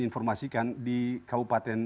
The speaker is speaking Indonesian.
informasikan di kabupaten